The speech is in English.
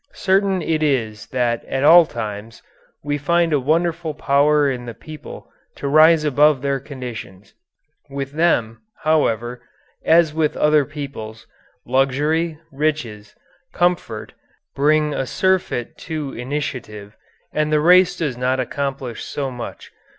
Certain it is that at all times we find a wonderful power in the people to rise above their conditions. With them, however, as with other peoples, luxury, riches, comfort, bring a surfeit to initiative and the race does not accomplish so much.